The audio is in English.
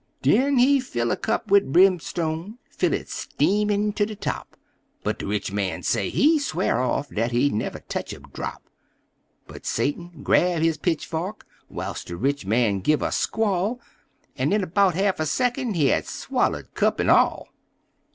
Den he fill a cup wid brimstone fill it steamin' ter de top; But de rich man say he swear off, dat he never tech a drop! But Satan grab his pitchfork whilst de rich man give a squall, En in 'bout a half a second he had swallered cup en all!